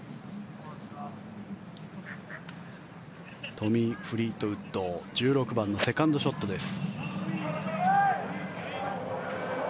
トミー・フリートウッド１６番のセカンドショットです。